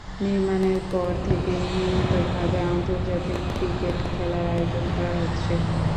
নির্মাণের পর থেকেই নিয়মিতভাবে আন্তর্জাতিক ক্রিকেট খেলার আয়োজন করা হচ্ছে।